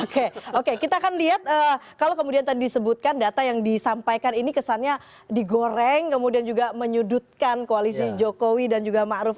oke oke kita akan lihat kalau kemudian tadi disebutkan data yang disampaikan ini kesannya digoreng kemudian juga menyudutkan koalisi jokowi dan juga ⁇ maruf ⁇